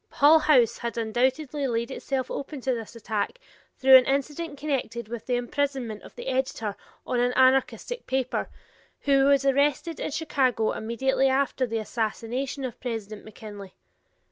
Hull House had doubtless laid itself open to this attack through an incident connected with the imprisonment of the editor on an anarchistic paper, who was arrested in Chicago immediately after the assassination of President McKinley.